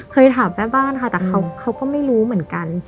เคยถามแม่บ้านค่ะแต่เขาก็ไม่รู้เหมือนกัน